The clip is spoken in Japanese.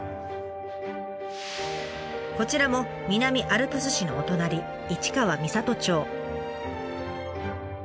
こちらも南アルプス市のお隣市川三郷町。